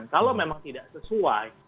kalau memang tidak sesuai